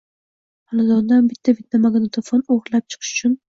Xonadondan bitta videomagnitofon o‘g‘irlab chiqish uchun...